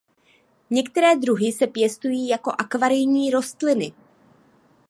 Některé druhy se pěstují jako akvarijní rostliny.